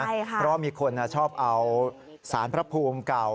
เพราะว่ามีคนชอบเอาสารพระภูมิเก่า